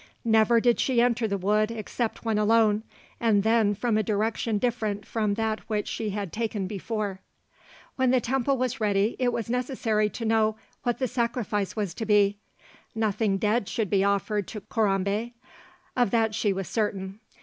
Never did she enter the wood except when alone, and then from a direction different from that which she had taken before. When the temple was ready, it was necessary to know what the sacrifice was to be. Nothing dead should be offered to Corambé. Of that she was certain.